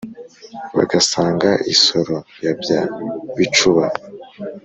bagasanga isoro ya byá bicúba